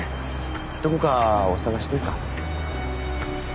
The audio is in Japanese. どこかお探しですか？